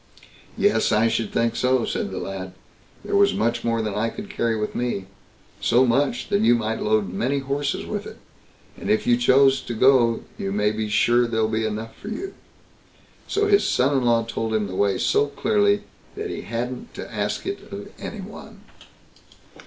"Yes, I should think so", said the lad; "there was much more than I could carry with me—so much, that you might load many horses with it; and if you choose to go, you may be sure there'll be enough for you." So his son in law told him the way so clearly, that he hadn't to ask it of any one.